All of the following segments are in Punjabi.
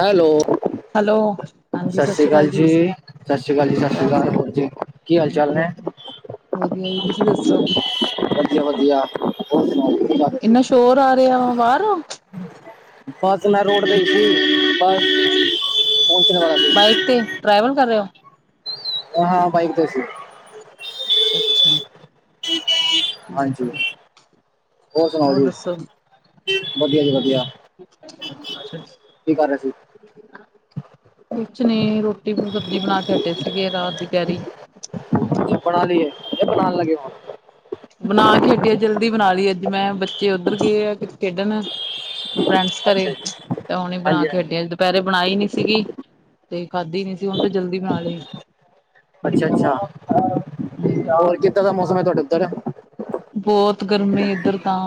ਹੈਲੋ ਹੈਲੋ ਹਾਂਜੀ ਸਤਿ ਸਸ ਸ੍ਰੀ ਸ਼੍ਰੀ ਅਕਾਲ ਕਾਲ ਜੀ, ਸਤਿ ਸਸ ਸ੍ਰੀ ਕਾਲ ਜੀ, ਸ਼੍ਰੀ ਸਸ ਸ੍ਰੀ ਅਕਾਲ ਕਾਲ ਹੋਰ ਜੀ ਕੀ ਹਾਲ ਚਾਲ ਹਾਂਜੀ ਨੇ? ਹਾਂਜੀ ਵਧੀਆ ਜੀ ਤੁਸੀਂ ਦੱਸੋ? [unintelligible] ਵਧੀਆ ਹੋਰ ਸੁਣਾਓ ਕਿਦਾਂ? ਇੰਨਾ ਸ਼ੋਰ ਆ ਰਿਆ ਵਾ ਬਾਰ ਔ? ਬਸ ਮੈ ਰੋਡ ਤੇ ਸੀ। ਬਸ ਪਹੁੰਚਣ ਵਾਲਾ ਸੀ ਬਾਈਕ ਤੇ ਟਰੈਵਲ ਕਰ ਰਹੇ ਓ। ਹਾਂ ਬਾਈਕ ਤੇ ਸੀ। ਅੱਛਾ-ਅੱਛਾ। [inaudible] [inaudible] ਹੋਰ ਸੁਣਾਓ ਜੀ, ਵਧੀਆ ਜੀ ਵਧੀਆ। ਅੱਛਾ ਕੀ ਕਰ ਰਹੇ ਸੀ [unintelligible] ਕੁਛ ਨੀ ਰੋਟੀ ਸਬਜ਼ੀ ਬਣਾ ਕੇ ਹਟੇ ਸੀਗੇ ਰਾਤ ਦੀ ਤਿਆਰੀ। ਬਣਾ ਲਈਏ [unintelligible] ਬਣਾਣ ਲੱਗੇ ਹੋ। ਬਣਾ ਕੇ ਹਟੀ ਜਲਦੀ ਬਣਾ ਲਈ ਏ ਅੱਜ ਮੈਂ ਬੱਚੇ ਉੱਧਰ ਗਏ ਆ ਖੇਡਨ। ਫਰੈਂਡਸ ਕਰੇ ਅੱਛਾ ਜੀ ਤਾਂ ਹੁਣੇ ਬਣਾ ਹਾਂਜੀ ਕੇ ਹੱਟੇਆ ਦੁ ਦੁਪਹਿਰੇ ਬਣਾਈ ਨੀ ਸੀਗੀ ਤੇ ਖਾਧੀ ਨੀ ਸੀ ਹੁਣ ਫਿਰ ਜਲਦੀ ਬਣਾ ਲਈ ਅੱਛਾ ਹਾਂਜੀ ਅੱਛਾ ਹਾਂਜੀ ਹੋਰ ਕਿੱਦਾਂ ਦਾ ਮੌਸਮ ਹੈ ਤੁਹਾਡੇ ਉੱਧਰ ਬਹੁਤ ਗਰਮੀ ਇੱਧਰ ਤਾਂ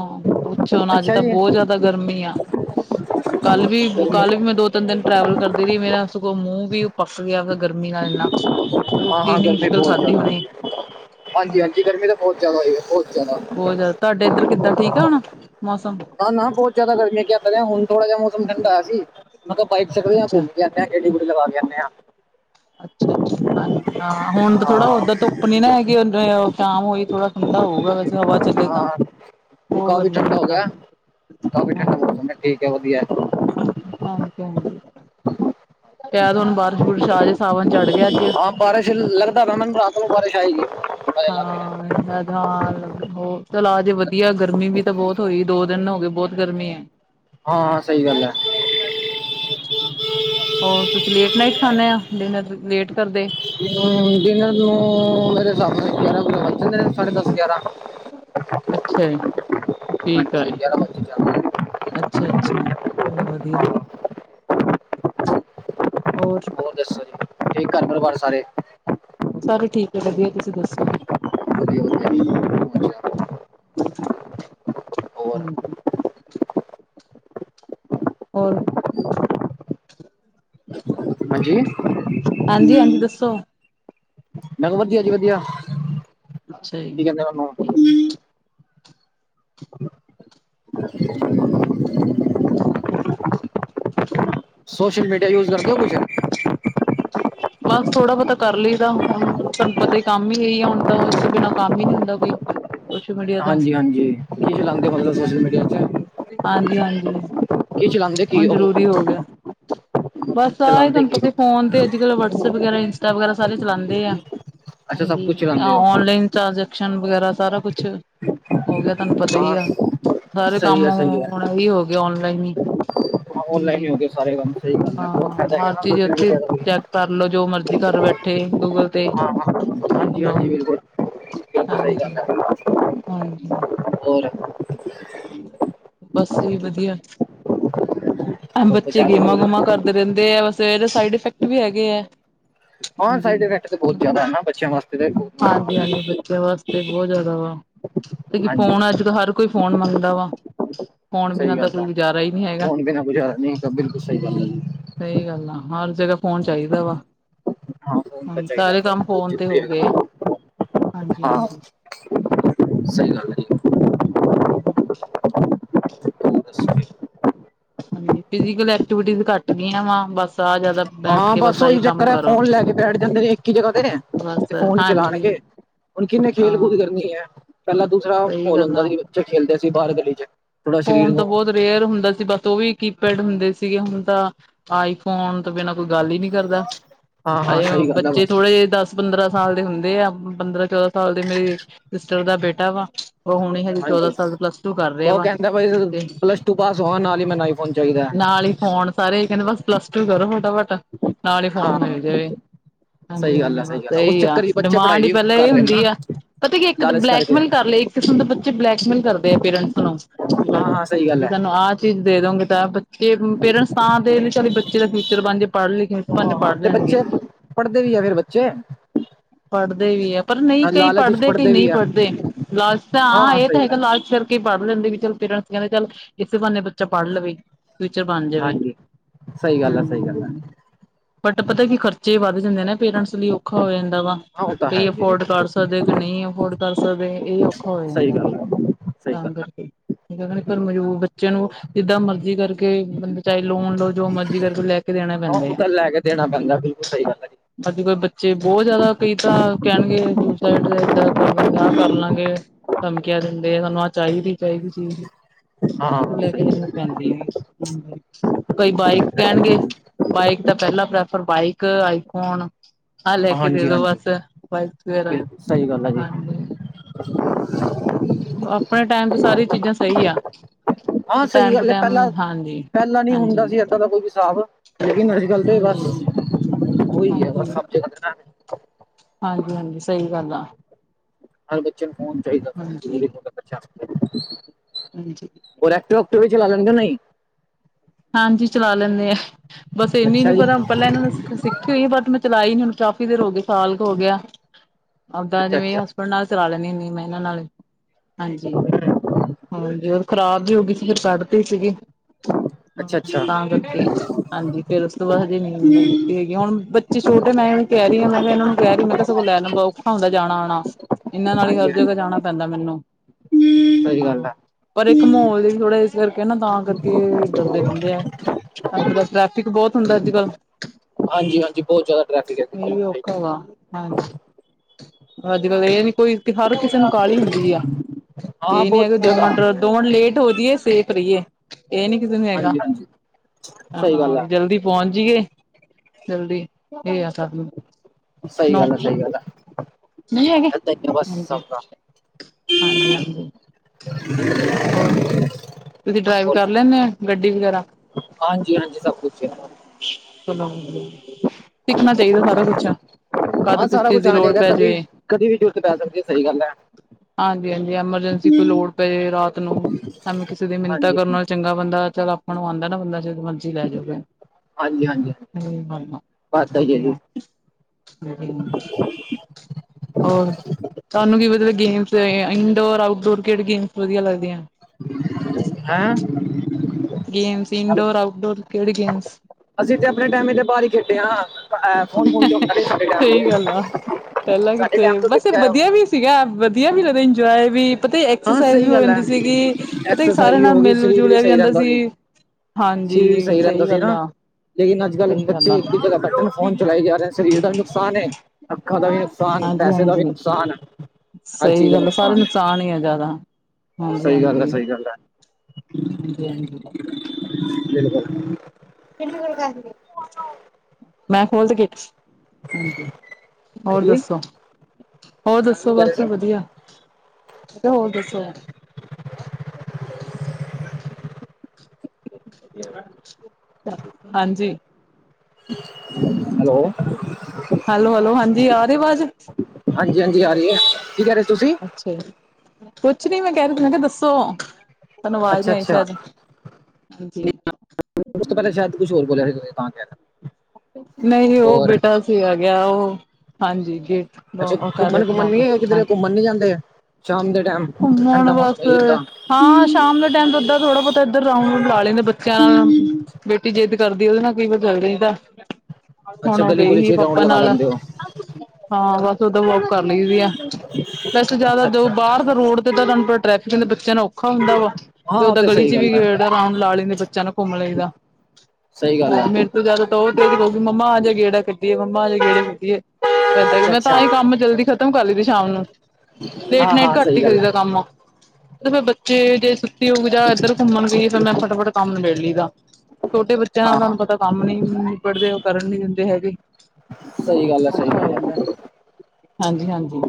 ਪੁੱਛੋ ਨਾ ਅੱਜ ਅੱਛਾ ਤਾਂ ਜੀ ਬਹੁਤ ਜਿਆਦਾ ਗਰਮੀ ਆ ਕੱਲ ਵੀ ਗਰਮੀ ਕੱਲ ਤਾਂ ਵੀ ਮੈਂ ਦੋ ਤਿੰਨ ਦਿਨ ਟਰੈਵਲ ਕਰਦੇ ਰਹੀ ਮੇਰਾ ਸਗੋ ਮੂੰਹ ਵੀ ਪੱਕ ਗਿਆ ਗਰਮੀ ਨਾਲ ਇੰਨਾ ਹਾਂ ਰੋਟੀ ਹਾਂ ਇੰਨੀ ਗਰਮੀ ਮੁਸ਼ਕਿਲ ਬਹੁਤ ਖਾਧੀ ਜ਼ਿਆਦਾ ਹੋਣੀ ਹਾਂਜੀ ਹਾਂਜੀ ਗਰਮੀ ਤਾਂ ਬਹੁਤ ਜ਼ਿਆਦਾ ਹੋਏ ਬਹੁਤ ਜ਼ਿਆਦਾ ਬਹੁਤ ਜ਼ਿਆਦਾ ਤੁਹਾਡੇ ਇੱਧਰ ਕਿੱਦਾਂ ਠੀਕ ਆ ਹੁਣ ਮੌਸਮ ਨਾ ਨਾ ਬਹੁਤ ਜ਼ਿਆਦਾ ਗਰਮੀਆਂ ਕ ਕਰ ਸਕਦੇ ਹੁਣ ਥੋੜ੍ਹਾ ਜਿਹਾ ਮੌਸਮ ਠੰਡਾ ਹੋਇਆ ਸੀ ਮੈਂ ਕਿਹਾ ਬਾਈਕ ਚੱਕਦੇ ਹਾਂ ਅੱਛਾ। ਘੁੰਮ ਦੇਆ। ਮੈਂ ਕਿਆ ਗੇੜੀ ਗੂੜੀ ਲਗਾ ਕੇ ਆਂਦੇ ਹਾਂ। ਅੱਛਾ ਅੱਛਾ ਹਾਂਜੀ ਹਾਂ ਹੁਣ ਤਾਂ ਥੋੜਾ ਹਾਂ ਓਦਾਂ ਧੁੱਪ ਨੀ ਨਾ ਹੈਗੀ ਸ਼ਾਮ ਹੋਈ ਥੋੜਾ ਠੰਡਾ ਹੋਉ ਹਵਾ ਚੱਲੇ ਤਾਂ ਹਾਂ ਬਹੁਤ ਕਾਫੀ ਗਰਮੀ ਹੈ ਠੰਡਾ ਅੱਜ ਹੋ ਤਾਂ ਗਿਆ ਕਾਫੀ ਠੰਡਾ ਹਾਂਜੀ ਮੌਸਮ ਹੈ ਠੀਕ ਹੈ ਵਧੀਆ ਹੈ ਹਾਂਜੀ ਹਾਂਜੀ ਸਾਇਦ ਹੁਣ ਬਾਰਿਸ਼ ਬੁਰਿਸ਼ ਆ ਜੇ ਸਾਵਨ ਚੜ ਗਿਆ ਅੱਜ ਹਾਂ ਬਾਰਿਸ਼ ਲੱਗਦਾ ਪਿਆ ਮੈਨੂੰ ਰਾਤ ਨੂੰ ਬਾਰਿਸ਼ ਆਏਗੀ ਥੋੜਾ ਜਿਹਾ ਲੱਗ ਰਿਹਾ ਹਾਂ। ਹਾਂ ਹੋਰ ਚੱਲ ਆਜੇ ਵਧੀਆ ਗਰਮੀ ਵੀ ਤਾਂ ਬਹੁਤ ਹੋਈ ਰਹੀ ਦੋ ਦਿਨ ਹੋ ਗਏ ਬਹੁਤ ਗਰਮੀ ਹੈ। ਹਾਂ ਸਹੀ ਗੱਲ ਹੈ। ਹੋਰ ਤੁਸੀਂ ਲੇਟ ਨਾਈਟ ਖਾਂਨੇ ਆ ਡਿਨਰ ਲੇਟ ਕਰਦੇ ਡਿਨਰ ਨੂੰ ਮੇਰੇ ਸਾਮਣੇ ਗਿਆਰਾਂ ਬਾਰਾ ਵੱਜ ਜਾਦੇ ਨੇ ਸਾਢੇ ਦਸ ਗਿਆਰਾਂ ਅੱਛਾ ਜੀ ਠੀਕ ਆ ਹਾਂਜੀ ਜੀ ਗਿਆਰਾਂ ਵਜੇ ਜਾਂਦੇ ਨੇ ਅੱਛਾ ਅੱਛਾ ਚਲੋ ਵਧੀਆ ਹੋਰ ਹੋਰ ਦੱਸੋ ਜੀ ਠੀਕ ਆ ਘਰ ਬਾਰ ਸਾਰੇ ਸਾਰੇ ਠੀਕ ਹੈ ਵਧੀਆ ਤੁਸੀਂ ਦੱਸੋ [unintelligible] ਅੱਛਾ ਹੋਰ ਹਾਂਜੀ ਹੋਰ ਹਾਂਜੀ ਹਾਂਜੀ ਹਾਂਜੀ ਦੱਸੋ ਮੈਂ ਕਿਹਾ ਵਧੀਆ ਜੀ ਵਧੀਆ ਅੱਛਾ ਕੀ ਜੀ ਕਹਿੰਦੇ ਉਹਨੂੰ ਠੀਕ [unintelligible] ਸੋਸ਼ਲ ਮੀਡੀਆ ਯੂਜ਼ ਕਰਦੇ ਉ ਕੁਛ ਬਸ ਥੋੜਾ ਬਹੁਤਾ ਕਰ ਲਈਦਾ ਤਾਂ ਹੁਣ ਕੰਮ ਤੁਹਾਨੂੰ ਪਤਾ ਹੀ ਕੰਮ ਹੀ ਏਈ ਆ ਹੁਣ ਤਾਂ ਇਸ ਤੋਂ ਬਿਨਾਂ ਕੰਮ ਹੀ ਨਹੀਂ ਹੁੰਦਾ ਕੋਈ ਸੋਸ਼ਲ ਮੀਡੀਆ ਤੋਂ ਹਾਂਜੀ ਹਾਂਜੀ ਕੀ ਚਲਾਦੇ ਮਤਲਬ ਸੋਸ਼ਲ ਮੀਡੀਆ ਚ ਹਾਂਜੀ ਹਾਂਜੀ ਕੀ ਚਲਾਂਦੇ ਹੁਣ ਜ਼ਰੂਰੀ ਹੋ ਗਿਆ। ਬਸ ਆ ਇਹ ਚਲਾਉਂਦੇ ਤੁਹਾਨੂੰ ਕੀ ਹੋ ਪਤਾ ਫੋਨ ਤੇ ਅੱਜ ਕੱਲ੍ਹ ਵਟਸਐਪ ਵਗੈਰਾ ਇੰਸਟਾ ਵਗੈਰਾ ਸਾਰੇ ਚਲਾਉਂਦੇ ਆ ਅੱਛਾ ਸਭ ਕੁਛ ਹਾਂਜੀ ਆ ਚਲਾਉਂਦੇ ਹੋ ਔਨਲਾਈਨ ਟ੍ਰਾਂਜੈਕਸ਼ਨ ਵਗੈਰਾ ਸਾਰਾ ਕੁਛ ਹੋ ਗਿਆ ਤੁਹਾਨੂੰ ਪਤਾ ਹੀ ਹਾਂ ਆ ਸਾਰੇ ਸਹੀ ਕੰਮ ਹੁਣ ਏ ਹੀ ਹੋ ਗਏ ਔਨਲਾਈਨ ਹੀ ਹਾਂ ਔਨਲਾਈਨ ਹੀ ਹਾਂਜੀ। ਹੋ ਗਿਆ ਸਾਰੇ ਕੰਮ ਸਹੀ ਗੱਲ ਹੈ ਬਹੁਤ ਫਾਇਦਾ ਹੈਗਾ ਸੋਸਲ਼ ਮੀਡੀਆ ਦਾ ਕਰਲੋ ਜੋ ਮਰਜ਼ੀ ਘਰ ਬੈਠੇ ਗੂਗਲ ਤੇ ਹਾਂ ਹਾਂ, ਦੇਖਲੋ ਹਾਂਜੀ-ਹਾਂਜੀ, ਬਿਲਕੁਲ। ਹਾਂਜੀ ਹਾਂਜੀ [unintelligible] ਬਸ ਜੀ ਵਧੀਆ। ਹੋਰ ਬੱਚੇ ਬਾਜ਼ਾਰ ਗੇਮਾਂ ਗੂਮਾਂ ਕਰਦੇ ਵਿੱਚ ਰਹੰਦੇ ਆ, ਵੈਸੇ ਏਦੇ ਸਾਈਡ ਇਫੈਕਟ ਵੀ ਹੈਗੇ ਐ। ਹਾਂ ਹਾਂਜੀ, ਸਾਈਡ ਇਫੈਕਟ ਤੇ ਬਹੁਤ ਜ਼ਿਆਦਾ ਹੈ ਨਾ ਬੱਚਿਆਂ ਵਾਸਤੇ ਤੇ ਬਹੁਤ ਹਾਂਜੀ- ਨੁਕਸਾਨ ਹਾਂਜੀ ਬੱਚੇ ਬਸ ਬੋਤ ਜਾਦਾ ਵਾ, ਤੇ ਹੈ ਕੀ ਹਾਂਜੀ ਫੋਨ ਅੱਜ ਕਲ ਹਰ ਕੋਈ ਫੋਨ ਮੰਗਦਾ ਵਾ। ਫੋਨ ਬਿਨਾ ਸਹੀ ਤਾਂ ਗੱਲ ਕੋਈ ਹੈ ਗੁਜ਼ਾਰਾ ਈ ਨਈ ਹੈਗਾ। ਫੋਨ ਬਿਨਾਂ ਗੁਜ਼ਾਰਾ ਨਹੀਂ ਹੈਗਾ ਬਿਲਕੁਲ ਸਹੀ ਗੱਲ ਹੈ ਜੀ ਸਹੀ ਗੱਲ ਆ, ਹਰ ਜਗਾ ਫੋਨ ਚਾਈਦਾ ਵਾ। ਹਾਂ ਚਾਈਦਾ ਸਾਰੇ ਕੰਮ ਬੋਤ-ਬੋਤ ਫੋਨ ਤੇ ਜਰੂਰੀ ਹੋ ਗਏ ਹੈਗਾ ਆ ਫੋਨ, ਹਾਂਜੀ ਹਾਂ। ਹਾਂਜੀ ਸਹੀ ਗੱਲ ਏ। ਹੂੰ। ਜੀ ਹਾਂਜੀ ਫਿਜ਼ੀਕਲ ਐਕਟੀਵਿਟੀਸ ਘੱਟ ਗਈਆਂ ਵਾ ਬਸ ਤਾਂ ਜਾਦਾ ਬੈਠ ਹਾਂ ਕੇ ਬਸ ਆਹੀ ਉਹੀ ਕੰਮ ਚੱਕਰ ਹੈ ਕਰੋ। ਫੋਨ ਲੈ ਕੇ ਬੈਠ ਜਾਂਦੇ ਨੇ ਇੱਕ ਹੀ ਜਗ੍ਹਾ ਤੇ ਬਸ ਬਸ, ਹਾਂਜੀ। ਹੁਨ ਕਿਨੇ ਹਾਂ ਖੇਲ-ਕੂਦ ਕਰਨੀ ਐ? ਪੈਲਾਂ ਦੂਸਰਾ, ਸਹੀ ਮਹੌਲ ਗੱਲ ਹੁੰਦਾ ਆ ਸੀ ਬੱਚੇ ਖੇਲਦੇ ਸੀ ਬਾਹਰ ਗਲੀ ਚ, ਥੋੜਾ ਸਰੀਰ ਨੂੰ ਵੇਅਰ ਹੁੰਦਾ ਸੀ ਬਸ ੳਵੀ ਕੀ-ਪੈਡ ਹੁੰਦੇ ਸੀਗੇ, ਹੁਨ ਤਾਂ ਆਈਫੋਨ ਤੋਂ ਬਿਨਾ ਕੋਈ ਗੱਲ ਈ ਨੀ ਕਰਦਾ, ਹਾਂ ਹਾਂ ਅਜੇ ਸਹੀ ਗੱਲ ਹੈ ਬੱਚੇ ਬਸ ਥੋੜੇ ਜੇ ਦਸ ਪੰਦਰਾਂ ਸਾਲ ਦੇ ਹੁੰਦੇ ਆ, ਪੰਦਰਾਂ-ਚੌਦਾਂ ਸਾਲ ਦੇ ਮੇਰੀ ਸਿਸਟਰ ਦਾ ਬੇਟਾ ਵਾ ੳ ਹੁਨ ਹਲੇ ਹਾਂਜੀ ਸਾਲ ਪਲੱਸ ਟੂ ਕਰ ਰੇਆ ਉਹ ਵਾ ਕਹਿੰਦਾ ਬਾਈ ਤੇ, ਪਲੱਸ ਟੂ ਪਾਸ ਹੋਣ ਨਾਲ ਹੀ ਮੈਨੂੰ ਆਈਫੋਨ ਚਾਹੀਦਾ ਨਾਲ ਈ ਹੁਣ ਸਾਰੇ ਏਹੀ ਕਹੰਦੇ ਬਸ ਪਲੱਸ ਟੂ ਕਰੋ ਫਟਾਫਟ, ਨਾਲ ਈ ਫੋਨ ਹਾਂ ਮਿਲ ਜਾਵੇ। ਸਹੀ ਗੱਲ ਹਾਂਜੀ-ਹਾਂਜੀ ਹੈ ਸਹੀ ਬਸ ਗੱਲ ਹੈ ਉਸ ਏਹੀ ਆ, ਚੱਕਰ ਚ ਬੱਚੇ ਪੜ੍ਹਾਈ ਡਿਮਾਂਡ ਈ ਵੀ ਪੈਲਾਂ ਕਰ ਐਈ ਰਹੇ ਹੁੰਦੀ ਨਾ ਆ, ਪਤਾ ਕੀ ਇੱਕ ਤਾਂ ਲਾਲਚ ਬਲੈਕ ਕਰਕੇ ਕਰ ਲਏ ਇੱਕ ਕਿਸਮ ਦੇ ਬੱਚੇ ਬਲੈਕਮੇਲ ਕਰਦੇ ਆ ਪੇਰੈਂਟਸ ਨੂੰ। ਠੀਕ ਐ। ਹਾਂ ਹਾਂ ਸਹੀ ਗੱਲ ਵੀ ਹੈ ਸਾਨੂੰ ਆਹ ਚੀਜ਼ ਦੇ ਦੋਂਗੇ ਤਾਂ ਬੱਚੇ ਪੇਰੈਂਟਸ ਤਾਂ ਦੇ ਬੱਚੇ ਦਾ ਫਿਊਚਰ ਬਨ ਜੇ ਪੜ-ਲਿਖ ਬਨ ਪਢ਼ ਲੈਣਗੇ। ਪਢ਼ਦੇ ਵੀ ਆ ਫੇਰ ਬੱਚੇ। ਪਢ਼ਦੇ ਵੀ ਐ। ਪਰ ਨਈ ਕਈ ਲਾਲਚ ਵਿੱਚ ਪਢ਼ਦੇ ਕਈ ਪੜ੍ਹਦੇ ਨਈ ਵੀ ਆ ਪਢ਼ਦੇ। ਲਾਲਚ ਤਾਂ ਹਾਂ ਆ, ਹਾਂ ਏ ਤਾਂ ਸਹੀ ਹੈਗਾ ਗੱਲ ਹੈ ਲਾਲਚ ਫੇਰ ਪੜ ਲੈਂਦੇ ਵੀ ਚੱਲ ਪੇਰੈਂਟਸ ਕੈਂਦੇ ਚਲ ਏਸੀ ਬਹਾਨੇ ਬੱਚਾ ਪੜ ਲਵੇ। ਫਿਊਚਰ ਬਨ ਜਾਵੇ। ਹਾਂਜੀ ਸਹੀ ਗੱਲ ਹੈ ਸਹੀ ਗੱਲ ਹੈ ਹੂੰ। ਬਟ ਪਤਾ ਕੀ ਖਰਚੇ ਵੱਧ ਜਾਂਦੇ ਨੇ ਪੇਰੈਂਟਸ ਲਈ ਔਖਾ ਹੋ ਜਾਂਦਾ ਵਾ। ਹਾਂ ਉਹ ਤਾਂ ਹੈ ਕਈ ਹੀ ਹੈ ਜੀ ਅਫੋਰਡ ਕਰ ਬਿਲਕੁਲ ਸਕਦੇ ਕੇ ਨਈ ਅਫੋਰਡ ਕਰ ਸਕਦੇ ਏਹ ਔਖਾ ਹੋ ਸਹੀ ਜਾਂਦਾ ਵਾ। ਗੱਲ ਹੈ ਸਹੀ ਤਾਂ ਗੱਲ ਹੈ ਕਰਕੇ, ਜਦੋਂ ਤਿਕਣ ਮਜਬੂਰ ਬੱਚੇ ਨੂੰ ਜਿੱਦਾ ਮਰਜੀ ਕਰਕੇ ਕੇ ਬੰਦੇ ਚਾਹੇ ਲੋਨ ਲੋ, ਜੋ ਮਰਜੀ ਕਰਕੇ ਲੈ ਕੇ ਦੇਨੇ ਹਾਂ ਪੈਂਦੇ ਉਹ ਆ। ਤਾਂ ਲੈ ਕੇ ਦੇਣਾ ਪੈਂਦਾ ਬਿਲਕੁਲ ਸਹੀ ਗੱਲ ਹੈ ਜੀ ਅੱਜ ਕਲ ਤੇ ਬੱਚੇ ਬੋਤ ਜਾਦਾ ਕਈ ਤਾਂ ਕੈਣਗੇ ਸੁਸਾਈਡ ਦਾ ਏਦਾਂ ਕਰ ਲੈਣ ਯਾ ਕਰ ਲਾਂਗੇ, ਧਮਕੀਆਂ ਦੇਂਦੇ ਸਾਨੂੰ ਆਹ ਚਾਈਦੀ, ਚਾਈਦੀ ਚੀਜ ਫੇਰ ਹਾਂ ਲੈ ਕੇ ਸਹੀ ਦੇਨੀ ਗੱਲ ਪੈਂਦੀ ਐ। ਕਈ ਬਾਈਕ ਕੈਣਗੇ, ਬਾਈਕ ਤਾਂ ਪੈਲਾਂ ਪ੍ਰੈਫਰ ਬਾਈਕ, ਆਈਫੋਨ ਆਹ ਲੈ ਕੇ ਦੇ ਹਾਂਜੀ ਦੋ ਹਾਂਜੀ ਬਸ ਬਾਈਕ ਵਗੈਰਾ। ਬਿਲਕੁਲ ਸਹੀ ਗੱਲ ਹੈ ਜੀ [inaudible] ਅਪਨੇ ਟਾਈਮ ਤੇ ਸਾਰੀਆ ਚੀਜਾ ਸਹੀ ਆ। ਹਾਂ ਸਹੀ ਟਾਈਮ ਆ। ਟੂ ਟਾਈਮ ਪੈਲਾਂ, ਹਾਂਜੀ ਪੈਲਾਂ ਨੀ ਹੁੰਦਾ ਹਾਂਜੀ ਸੀ ਏਦਾਂ ਦਾ ਕੋਈ ਵੀ ਹਸਾਬ। ਲੇਕਿਨ ਅੱਜ-ਕਲ ਤੇ ਬਸ, ਹਾਂਜੀ ੳਈ ਐ ਬਸ ਸਭ ਜਗਾ ਤੇ ਹਾਂਜੀ-ਹਾਂਜੀ, ਸਹੀ ਗੱਲ ਆ। ਹਰ ਬੱਚੇ ਨੂੰ ਫੋਨ ਚਾਈਦਾ। ਫੋਨ ਜ਼ਰੂਰੀ ਹਾਂਜੀ ਹੈਗਾ ਬੱਚੇਆਂ ਵਾਸਤੇ। ਹਾਂਜੀ। ਹੋਰ ਐਕਟਿਵਾ-ਊਕੁਟਿਵਾ ਵੀ ਚਲਾ ਲੈਂਦੇ ਨਈਂ। ਹਾਂਜੀ ਚਲਾ ਲੈਂਣੇ ਏ, ਬਸ ਇਨੀਂ ਨੀਂ ਅੱਛਾ ਜੀ, ਪਰਾ ਪੈਲਾਂ ਇਨਾਂ ਨ ਸਿ ਸਿੱਖ ਹੋਈ ਬਟ ਮੈਂ ਚਲਾਈ ਨੀਂ ਹੁਣ ਕਾਫ਼ੀ ਦੇਰ ਹੋ ਗੀ ਸਾਲ ਕੁ ਹੋ ਗਿਆ, ਆਪਦਾ ਜਿਵੇਂ ਅੱਛਾ-ਅੱਛਾ, ਹਸਬੈਂਡ ਨਾਲ ਚਲਾ ਲੈਣੀ ਹੁੰਨੀ ਮੈਂ ਇਨ੍ਹਾਂ ਨਾਲੇ ਹਾਂਜੀ। ਹੋਰ? ਖ਼ਰਾਬ ਵੀ ਹੋ ਗਈ ਸੀ। ਫਿਰ ਕੜ੍ਹਤੀ ਸੀਗੀ। ਅੱਛਾ-ਅੱਛਾ, [unintelligible] ਤਾਂ ਕਰਕੇ, ਹਾਂਜੀ। ਫੇਰ ਉਸ ਤੋਂ ਬਾਅਦ ਹਜੇ ਨੀਂਦ ਹੈਗੀ ਹੁਣ ਬੱਚੇ ਛੋਟੇ, ਮੈਂ ਇਹਨਾਂ ਨੂੰ ਕੈ ਰੀ ਆਂ। ਮੈਂ ਕਿਆ ਇਨ੍ਹਾਂ ਨੂੰ ਕੈ ਰੀ ਮੈਂ ਕਿਆ ਸਗੋਂ ਲੈ ਲਵੋ ਔਖਾ ਹੁੰਦਾ ਜਾਣਾ-ਆਣਾ। ਇਨ੍ਹਾਂ ਨਾਲ ਹੀ ਹਰ ਜਗ੍ਹਾ ਹਾਂਜੀ-ਹਾਂਜੀ, ਜਾਣਾ ਪੈਂਦਾ ਮੈਨੂੰ। ਸਹੀ ਗੱਲ ਆ। ਪਰ ਇੱਕ ਮਾਹੌਲ ਵੀ ਥੋੜਾ ਇਸ ਕਰਕੇ ਨਾ ਤਾਂ ਕਰਕੇ ਚਲਦੇ ਰਹਿੰਦੇ ਆ, ਤਾਨੂੰ ਪਤਾ ਟ੍ਰੈਫਿਕ ਬੋਤ ਹੁੰਦਾ ਅੱਜ-ਕਲ। ਹਾਂਜੀ, ਹਾਂਜੀ ਬੋਤ ਜ਼ਿਆਦਾ ਟਰੈਫਿਕ ਐ ਜੀ ਬਿਲਕੁਲ। ਸਹੀ। ਹੋਵਾ, ਹਾਂਜੀ। ਅੱਜ-ਕਲ ਏ ਨੀਂ ਕੋਈ ਹਰ ਕਿਸੇ ਨੂੰ ਕਾਹਲੀ ਹੁੰਦੀ ਆ, ਹਾਂ ਏ ਨੀਂ ਐ ਬਹੁਤ ਕਿ ਦੋ ਜ਼ਿਆਦਾ, ਮਿੰਟ ਦੋ ਮਿੰਟ ਲੇਟ ਹੋ ਜਈਏ, ਸੇਫ ਰਈਏ। ਏ ਨੀਂ ਕਿਸੇ ਨੂੰ ਹੈਗਾ, ਹਾਂਜੀ-ਹਾਂਜੀ। ਸਹੀ ਗੱਲ ਹਾਂ, ਆ, ਜਲਦੀ ਪਹੁੰਚ ਜੀ ਈਏ। ਜਲਦੀ ਏ ਆ ਸਭ ਨੂੰ। ਸਈ ਨੋ ਗੱਲ ਆ, ਸਈ ਗੱਲ ਆ, ਨਹੀਂ ਹੈਗੇ ਏਦਾਂ ਈ ਬਸ, ਹਾਂਜੀ ਸਬ ਦਾ। ਹਾਂਜੀ, ਹਾਂਜੀ। [inaudible] ਹੋਰ, ਤੁਸੀਂ ਡਰਾਈਵ ਕਰ ਲੈਂਣੇ ਆਂ, ਗੱਡੀ ਵਗੈਰਾ। ਹਾਂਜੀ, ਹਾਂਜੀ। ਸਭ ਕੁਝ। [unintelligible] ਸਿੱਖਣਾ ਚਾਈਦਾ ਸਾਰਾ ਕੁਛ। ਕਦ ਹਾਂ, ਕਿਸ ਸਾਰਾ ਚੀਜ਼ ਕੁਛ ਦੀ ਆਣਾ ਲੋੜ ਚਾਈਦਾ ਪੈ ਕਦੀ, ਜਾਵੇ ਕਦੀ ਵੀ ਜਰੂਰਤ ਪੈ ਸਕਦੀ ਐ। ਸਈ ਗੱਲ ਐ। ਹਾਂਜੀ, ਹਾਂਜੀ ਐਮਰਜੈਂਸੀ ਕੋਈ ਲੋੜ ਪੈ ਜੇ ਰਾਤ ਨੂੰ। ਕਿਸੇ ਦੀ ਮਿੰਨਤਾਂ ਹਾਂਜੀ। ਕਰਨ ਨਾਲੋਂ ਚੰਗਾ ਬੰਦਾ ਚੱਲ ਆਪਾਂ ਨੂੰ ਆਂਦਾ ਨਾਂ ਬੰਦਾ ਜਦ ਮਰਜੀ ਲੈ ਜਾਵੇ। ਹਾਂਜੀ-ਹਾਂਜੀ, [unintelligible] ਪਤਾ ਹੀ ਹੈ ਜੀ, ਵਧੀਆ [unintelligible] ਹੋਰ? ਤਾਨੂੰ ਕੀ ਮਤਲਬ ਗੇਮਸ ਇੰਨਡੋਰ-ਆਊਟਡੋਰ ਕੇੜੀ ਗੇਮਸ ਵਧੀਆ ਲੱਗਦੀਆਂ। [unintelligible] ਹੈਂ? ਗੇਮਸ ਇੰਨਡੋਰ, ਆਊਟ ਡੋਰ ਕੇੜੀ ਗੇਮਸ। ਅਸੀਂ ਤੇ ਆਪਣੇ ਟਾਈਮ ਤੇ ਬਾਰ ਈ ਖੇਡੇ ਆਂ। ਐ ਫੋਨ-ਫੂਨ ਤੇ ਹੁੰਦਾ ਨੀਂ ਸਾਡੇ ਟੈਮ ਤੇ। ਪੈਲਾਂ ਸਾਡੇ ਟਾਈਮ ਕਿਥੇ, ਤੋਂ ਵੈਸੇ ਵਧੀਆ ਕਿੱਥੇ ਵੀ ਸੀਗਾ ਵਧੀਆ ਵੀ ਲੱਗਦਾ, ਇੰਜੋਏ ਵੀ ਪਤਾ ਹਾਂ ਐਕਸਰਸਾਈਜ਼ ਵੀ ਸਹੀ ਹੋ ਗੱਲ ਹੈ ਜਾਂਦੀ ਸੀਗੀ। ਪਤਾ ਐਕਸਰਸਾਈਜ਼ ਸਾਰਿਆਂ ਵੀ ਨਾਲ ਹੋ ਗਈ ਮਿਲ ਸਰੀਰ ਜੁਲਿਆ ਵੀ ਸਹੀ ਜਾਂਦਾ ਰਹਿੰਦਾ ਸੀ। ਸਰੀਰ ਵੀ ਹਾਂਜੀ, ਸਹੀ ਰਹਿੰਦਾ ਸਈ ਸੀ ਗੱਲ ਨਾ ਆ। ਲੇਕਿਨ ਅੱਜ-ਕਲ ਸਹੀ ਗੱਲ ਆ ਬੱਚੇ ਇਕ ਜਗ੍ਹਾ ਬੈਠੇ ਫੋਨ ਚਲਾਈ ਜਾ ਰੇ ਸਰੀਰ ਦਾ ਵੀ ਨੁਕਸਾਨ ਏ। ਅੱਖਾਂ ਦਾ ਵੀ ਨੁਕਸਾਨ, ਪੈਸੇ ਦਾ ਵੀ ਨੁਕਸਾਨ ਐ। ਸਈ ਗੱਲ ਐ, ਸਾਰੇ ਨੁਕਸਾਨ ਈ ਐ ਜ਼ਿਆਦਾ। ਹੈ ਹਾਂਜੀ, ਸਹੀ ਗੱਲ ਹੈ ਹਾਂਜੀ। ਸਹੀ ਗੱਲ ਹੈ ਹਾਂਜੀ, ਹਾਂਜੀ। ਬਿਲਕੁਲ। [unintelligible] ਮੈਂ ਖੋਲ ਦੇ ਗੇਟ। ਹਾਂਜੀ ਹੋਰ ਹਾਂਜੀ ਦੱਸੋ। ਹੋਰ ਦੱਸੋ ਕਹਿ ਰਹੇ ਬਸ ਸੀ ਵਧੀਆ। ਮੈਂ ਕਿਆ ਹੋਰ ਦੱਸੋ? [inaudible] ਹਾਂਜੀ। ਹੈਲੋ ਹੈਲੋ -ਹੈਲੋ ਹਾਂਜੀ ਆ ਰੀ ਵਾਜ਼ ਹਾਂਜੀ -ਹਾਂਜੀ ਆ ਰੀ ਐ, ਕੀ ਕਹਿ ਰਹੇ ਤੁਸੀਂ ਅੱਛਾ ਜੀ, ਕੁੱਛ ਨੀ ਮੈਂ ਕਹਿ ਰੀ, ਮੈਂ ਕਿਹਾ ਦੱਸੋ। ਹੈਲੋ ਵਾਜ ਨੀ ਅੱਛਾ ਆਈ ਅੱਛਾ ਸ਼ਾਇਦ, ਹਾਂਜੀ। ਉਸ ਤੋਂ ਪੈਲੇ ਸ਼ਾਇਦ ਕੁਛ ਹੋਰ ਬੋਲਿਆ ਸੀ ਤੁਸੀਂ ਤਾਂ ਕਹਿ ਤਾ ਨਹੀਂ ਉਹ ਬੇਟਾ ਸੀ ਆ ਗਿਆ ਉਹ ਹਾਂਜੀ ਗੇਟ ਅੱਛਾ ਨੋਕ ਕਰ ਘੁੰਮਣ ਘੁੰਮਣ ਨੋਕ ਨੀ ਕਿਧਰੇ ਹਾਂਜੀ ਘੁੰਮਣ ਨੀ ਜਾਂਦੇ ਸ਼ਾਮ ਦੇ ਟਾਈਮ ਹੁਣ ਠੰਡਾ ਮੌਸਮ ਬਸ ਜਿੱਦਾਂ ਹਾਂ, ਸ਼ਾਮ ਦਾ ਟੈਮ ਉਦਾਂ ਥੋੜਾ ਬਹੁਤਾ ਇੱਧਰ ਰਾਉਂਡ ਰੁਉਂਡ ਲਾ ਲਈ ਦਾ ਬੱਚਿਆਂ ਨਾਲ ਬੇਟੀ ਜਿੱਦ ਕਰਦੀ ਉਹਦੇ ਨਾਲ ਕੀ ਵਾਰ ਚੱਲ ਜਾਈ ਦਾ ਅੱਛਾ ਹੁਣ ਉਹ ਗਲੀ ਗਈ ਗੁਲੀ ਚ ਹੀ ਰਾਊਂਡ ਪਾਪਾ ਲਗਾ ਨਾਲ ਲੈਂਦੇ ਹੋ। ਹਾਂ ਬਸ ਉਹਦਾ ਵੋਕ ਕਰਨ ਲਈ ਦੀ ਆ ਵੈਸੇ, ਜਾਦਾ ਅੱਛਾ ਦੋ ਅੱਛਾ ਬਾਰ ਰੋਡ ਤੇ ਤਾਂ ਪਤਾ ਟ੍ਰੈਫਿਕ ਕਦੇ ਬੱਚਿਆਂ ਦਾ ਔਖਾ ਹੁੰਦਾ ਵਾ ਹਾਂ ਤੇ ਉਹ ਉਦਾਂ ਗਲੀ ਸਹੀ ਚ ਗੱਲ ਹੈ ਗੇੜਾਂ ਰਾਉਂਡ ਲਾ ਲਈ ਬੱਚਿਆਂ ਨਾਲ ਘੁੰਮ ਲਈ ਦਾ ਸਹੀ ਗੱਲ ਹੈ [unintelligible] ਜਾਦਾ ਤਾਂ ਉਹੀ ਕਹੇਗੀ, ਮੰਮਾ ਆਜਾ ਗੇੜਾ ਕੱਟੀਏ-ਮੰਮਾ ਆ ਜਾ ਗੇੜੇ ਕੱਟੀਏ, ਏਦਾਂ ਅੱਛਾ ਮੈਂ ਅੱਛਾ ਤਾਂ ਹੀ ਕੰਮ ਜਲਦੀ ਖ਼ਤਮ ਕਰ ਲਏ ਸ਼ਾਮ ਨੂੰ ਲੇਟ ਹਾਂ ਹਾਂ ਨਾਈਟ ਘੱਟ ਹੀ ਸਹੀ ਗੱਲ ਹੈ ਕਰੀਦਾ ਕੰਮ ਬੱਚੇ ਜੇ ਸੁਤੀ ਹੋਊ ਜਾਂ ਇੱਧਰ ਘੁੰਮਣ ਗਈ, ਫਿਰ ਮੈਂ ਫਟਾਫਟ ਕੰਮ ਨਬੇੜ ਲਈ ਦਾ ਛੋਟੇ ਬੱਚਿਆਂ ਨਾਲ ਹਾਂ ਤੁਹਾਨੂੰ ਪਤਾ ਕੰਮ ਨੀ ਨਿਬੜ ਦੇ, ਉਹ ਕਰਨ ਨੀ ਦਿੰਦੇ ਹੈਗੇ। ਸਹੀ ਗੱਲ ਹੈ ਔਖਾ ਸਹੀ ਹੋ ਗੱਲ ਜਾਂਦੈ, ਹੈ ਹਾਂਜੀ-ਹਾਂਜੀ।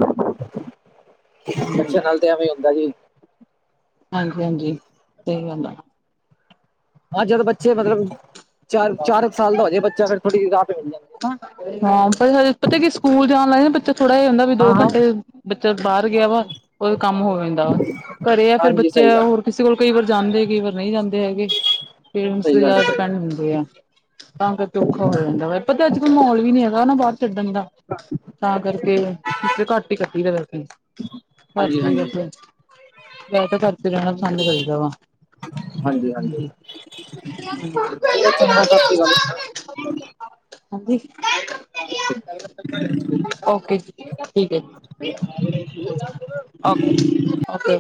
ਬੱਚਿਆਂ ਨਾਲ ਤੇ ਐਵੈ ਈ ਹੁੰਦੈ ਜੀ। ਹਾਂਜੀ-ਹਾਂਜੀ ਸਹੀ ਗੱਲ ਆ। ਹਾਂ, ਜਦ ਬੱਚੇ ਮਤਲਬ ਚਾਰ-ਚਾਰ ਸਾਲ ਦਾ ਹੋ ਜੇ, ਬੱਚਾ ਫੇਰ ਥੋੜ੍ਹੀ ਜਹੀ ਰਾਹਤ ਮਿਲ ਜਾਂਦੀ ਹਨਾ। ਹਾਂ, ਪਤਾ ਕੀ ਸਕੂਲ ਜਾਣ ਲੱਗ ਨਾ ਬੱਚਾ ਥੋੜਾ ਜ ਹੁੰਦਾ ਵੀ ਦੋ ਹਾਂ ਹਾਂ ਘੰਟੇ ਬੱਚਾ ਬਾਹਰ ਗਿਆ ਵਾ, ਉਹਦੇ ਕੰਮ ਹੋ ਜਾਂਦਾ ਵਾ, ਘਰੇ ਆ ਫੇਰ ਹਾਂਜੀ ਬੱਚੇ ਸਹੀ ਗੱਲ ਹੈ ਹੋਰ ਅਸੀ ਹੁਣ ਕਈ ਵਾਰ ਜਾਂਦੇ, ਕਈ ਵਾਰ ਨਹੀਂ ਜਾਂਦੇ ਹੈਗੇ, ਪੇਰੈਂਟਸ ਦੇ ਸਹੀ ਗੱਲ ਜਾਦਾ ਹੈ ਸਹੀ ਗੱਲ ਡਿਪੈਂਡ ਹੁੰਦੇ ਆ ਤਾਂ ਕਰਕੇ ਔਖਾ ਹੋ ਜਾਂਦਾ ਵਾ, ਪਤੈ ਅੱਜ-ਕਲ ਮਹੋਲ ਵੀ ਨੀ ਹੈਗਾ ਨਾ ਬਾਹਰ ਛੱਡਣ ਦਾ ਤਾਂ ਕਰਕੇ ਘੱਟ ਈ ਕੱਢੀ ਦਾ ਰਾਤੀ। ਹਾਂਜੀ ਰਾਤੀ ਹਾਂਜੀ ਵੈਸੇ, ਵੈਸੇ ਤਾਂ ਰਾਤੀ ਜਾਣਾ ਪਸੰਦ ਕਰੀਦਾ ਵਾ [inaudible] ਹਾਂਜੀ ਹਾਂਜੀ ਚਲੋ ਚੰਗਾ ਸਤਿ ਸ੍ਰੀ [unintelligible] ਹਾਂਜੀ। ਅਕਾਲ [unintelligible] ਓਕੇ ਜੀ ਠੀਕ ਐ ਜੀ। [unintelligible] ਓਕੇ-ਓਕੇ [unintelligible]